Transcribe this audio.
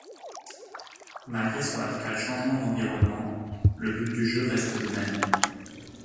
Malgré ce radical changement d'environnement, le but du jeu reste le même.